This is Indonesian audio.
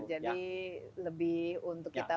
jadi lebih untuk kita